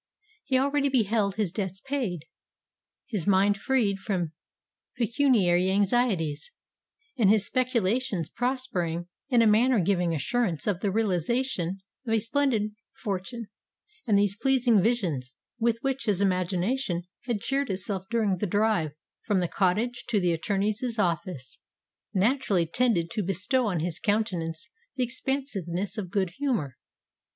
He already beheld his debts paid—his mind freed from pecuniary anxieties—and his speculations prospering in a manner giving assurance of the realization of a splendid fortune; and these pleasing visions, with which his imagination had cheered itself during the drive from the Cottage to the attorney's office, naturally tended to bestow on his countenance the expansiveness of good humour.